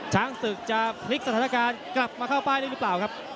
ช้างศึกจะพลิกสถานการณ์กลับมาเข้าป้ายได้หรือเปล่าครับ